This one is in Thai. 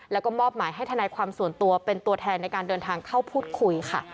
แล้วก็มอบหมายให้ทนายความส่วนตัวเป็นตัวแทนในการเดินทางเข้าพูดคุยค่ะ